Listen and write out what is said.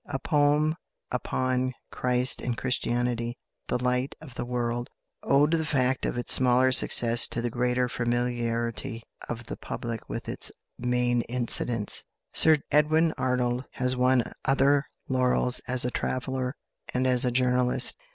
A poem upon Christ and Christianity "The Light of the World," owed the fact of its smaller success to the greater familiarity of the public with its main incidents. Sir Edwin Arnold has won other laurels as a traveller and as a journalist.